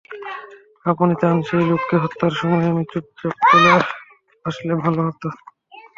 আপনি চান সেই লোককে হত্যার সময় আমি চুপচাপ চলে আসলে ভালো হতো?